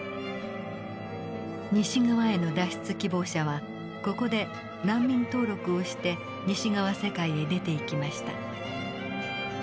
西側への脱出希望者はここで難民登録をして西側世界へ出ていきました。